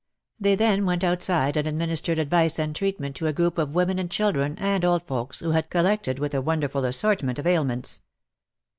They then went outside and administered advice and treatment to a group of women and children and old folks who had collected with a wonderful assortment of ailments.